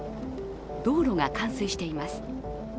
道路が冠水しています。